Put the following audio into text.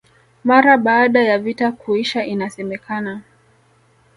Mara baada ya vita kuisha inasemekana